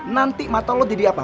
nanti mata lo jadi apa